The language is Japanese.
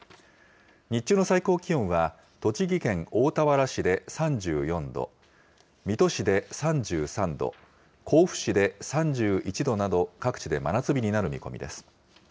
日中の最高気温は栃木県大田原市で３４度、水戸市で３３度、甲府市で３１度など、各地で真夏日になる見込みです。